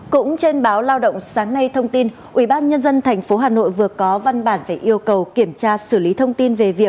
cũng trên báo lao động sáng nay thông tin ubnd tp hà nội vừa có văn bản về yêu cầu kiểm tra xử lý thông tin về vấn đề